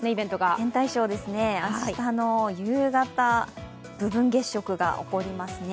天体ショーですね、明日の夕方、部分月食が起こりますね。